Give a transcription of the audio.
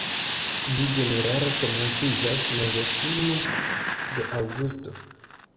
Ĝi ĝenerale komenciĝas meze-fine de aŭgusto.